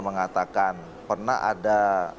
mengatakan pernah ada